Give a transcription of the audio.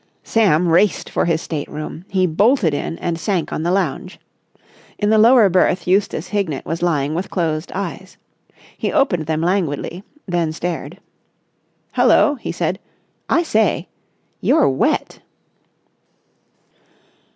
Sam raced for his state room. He bolted in and sank on the lounge. In the lower berth Eustace Hignett was lying with closed eyes. He opened them languidly, then stared. "Hullo!" he said. "I say! You're wet!"